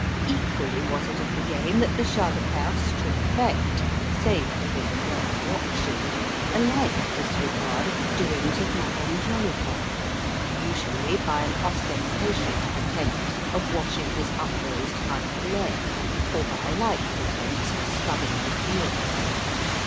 Equally was it of the game that the Shah de Perse should affect save for his alert watching a like disregard of the doings of Madame Jolicoeur: usually by an ostentatious pretence of washing his upraised hind leg, or by a like pretence of scrubbing his ears.